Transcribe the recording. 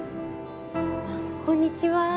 こんにちは。